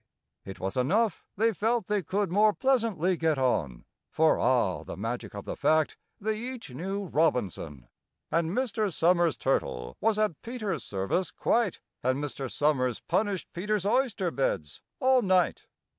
It was enough: they felt they could more pleasantly get on, For (ah, the magic of the fact!) they each knew ROBINSON! And Mr. SOMERS' turtle was at PETER'S service quite, And Mr. SOMERS punished PETER'S oyster beds all night.